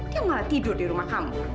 dia malah tidur di rumah kamu